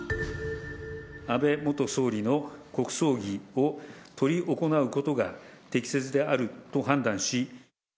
安倍元総理の国葬儀を執り行うことが適切であると判断し。